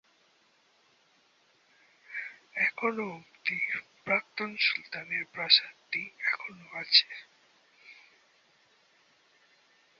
এখনও অবধি প্রাক্তন সুলতানের প্রাসাদটি এখনও আছে।